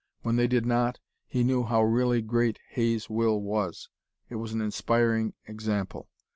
When they did not, he knew how really great Hay's will was. It was an inspiring example.